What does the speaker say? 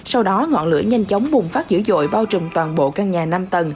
sau đó ngọn lửa nhanh chóng bùng phát dữ dội bao trùm toàn bộ căn nhà năm tầng